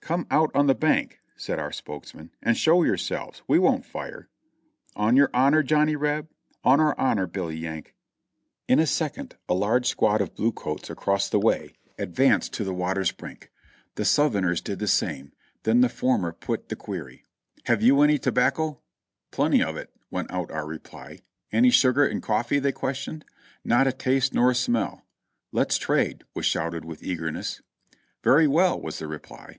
"Come out on the bank," said our spokesman, "and show your selves ; we won't fire." "On your honor, Johnny Reb?" "On our honor, Billy Yank." In a second a large squad of blue coats across the way ad 430 JOHNNY REB AND BILLY YANK vanced to the water's brink. The Southerners did the same; then the former put the query. "Have you any tobacco?" "Plenty of it," went out our reply. "Any sugar and coffee?" they questioned. "Not a taste nor a smell." "Let's trade," was shouted with eagerness. "Very well," was the reply.